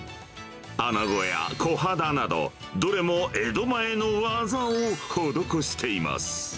アナゴやコハダなど、どれも江戸前の技を施しています。